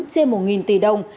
trên một tỷ đồng